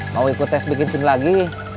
mau ikut tes bikin sini lagi